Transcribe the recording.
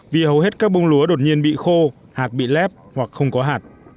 vì hầu hết các bông lúa đột nhiên bị khô hạt bị lép hoặc không có hạt